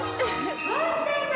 ワンちゃんだ！